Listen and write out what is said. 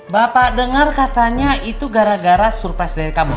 bapak dengar katanya itu gara gara surprise dari kamu